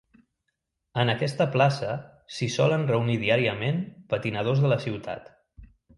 En aquesta plaça s'hi solen reunir diàriament patinadors de la ciutat.